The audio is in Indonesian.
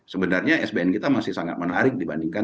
sebenarnya sbn kita masih sangat menarik dibandingkan